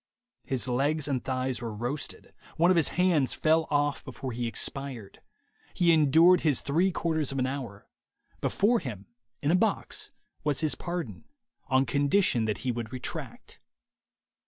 Mis legs and thighs were roasted; one of his hands fell off before he expired; he THE WAY TO WILL POWER 129 endured this three quarters of an hour ; before him in a box was his pardon, on condition that he would retract."